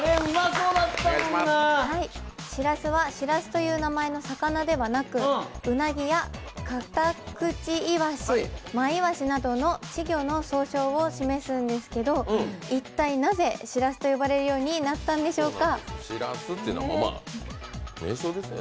しらすは、しらすという名前の魚ではなく、うなぎやカタクチイワシ、マイワシなどの稚魚の総称を示すんですけど一体なぜ、しらすと呼ばれるようになったのでしょうか？